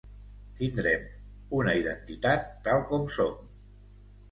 Tindrem una identitat tal com som.